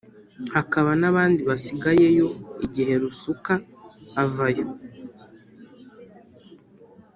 hakaba n’ abandi basigayeyo igihe Rusuka avayo.